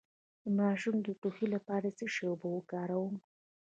د ماشوم د ټوخي لپاره د څه شي اوبه وکاروم؟